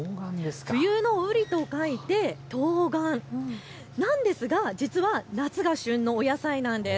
冬のうりと書いてとうがんなんですが、実は夏が旬のお野菜なんです。